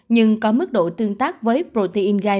nhưng có mức độ tương tác với protein gai